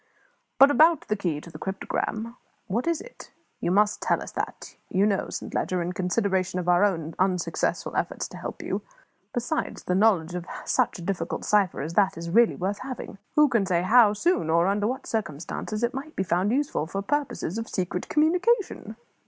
But, about the key to the cryptogram, what is it? You must tell us that, you know, Saint Leger, in consideration of our own unsuccessful efforts to help you. Besides, the knowledge of such a difficult cipher as that is really worth having; who can say how soon, or under what circumstances, it might be found useful for purposes of secret communication?"